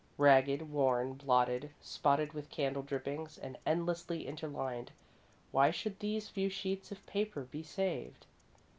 Ragged, worn, blotted, spotted with candle drippings and endlessly interlined, why should these few sheets of paper be saved?